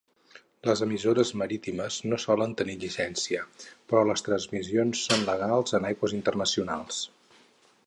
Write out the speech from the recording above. Les emissores marítimes no solen tenir llicència, però les transmissions són legals en aigües internacionals.